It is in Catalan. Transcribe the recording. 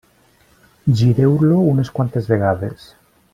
Gireu-lo unes quantes vegades.